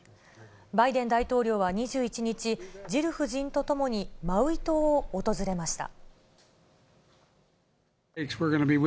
バイデン大統領は２１日、ジル夫人と共にマウイ島を訪れました。